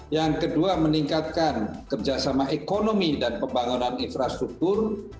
yang kedua meningkatkan kerjasama ekonomi dan pembangunan infrastruktur